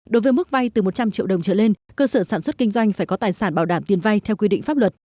đối với mức vay từ một trăm linh triệu đồng trở lên cơ sở sản xuất kinh doanh phải có tài sản bảo đảm tiền vay theo quy định pháp luật